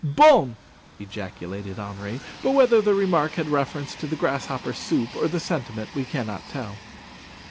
"Bon!" ejaculated Henri, but whether the remark had reference to the grasshopper soup or the sentiment we cannot tell.